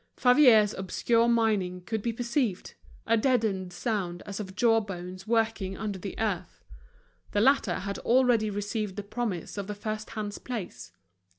Favier's obscure mining could be perceived—a deadened sound as of jawbones working under the earth. The latter had already received the promise of the first hand's place.